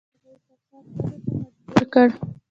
وروسته هغوی پر شا تللو ته مجبور کړ.